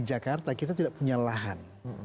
jakarta kita tidak punya lahan